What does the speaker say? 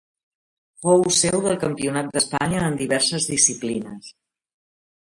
Fou seu del Campionat d'Espanya en diverses disciplines.